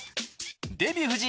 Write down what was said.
デヴィ夫人